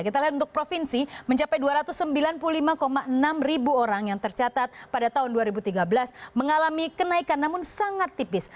kita lihat untuk provinsi mencapai dua ratus sembilan puluh lima enam ribu orang yang tercatat pada tahun dua ribu tiga belas mengalami kenaikan namun sangat tipis